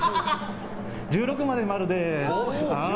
１６まで丸です。